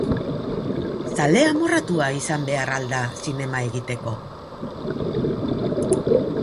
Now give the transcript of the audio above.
Zale amorratua izan behar al da zinema egiteko?